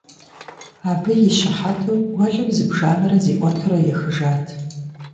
Абы и щыхьэту гуэлым зыбжанэрэ зиӀэтурэ ехыжат.